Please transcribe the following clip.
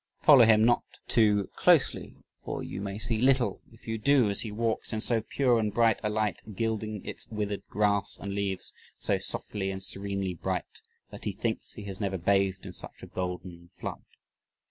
Follow him, but not too closely, for you may see little, if you do "as he walks in so pure and bright a light gilding its withered grass and leaves so softly and serenely bright that he thinks he has never bathed in such a golden flood."